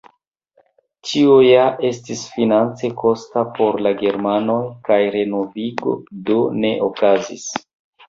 Tio ja estis finance kosta por la germanoj kaj renovigo do ne okazis.